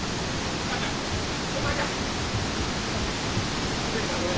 お母ちゃんちょっと見てえなこれ。